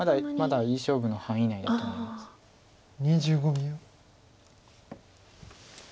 まだいい勝負の範囲内だと思います。